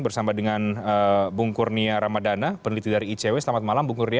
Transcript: bersama dengan bung kurnia ramadana peneliti dari icw selamat malam bung kurnia